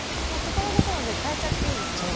もうところどころで変えちゃっていいんですね。